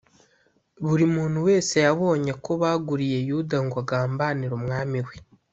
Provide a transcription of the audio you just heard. buri muntu wese yabonye ko baguriye yuda ngo agambanire umwami we